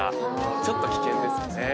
ちょっと危険ですよね。